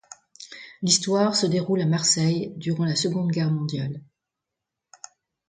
L'histoire se déroule à Marseille durant la Seconde Guerre Mondiale.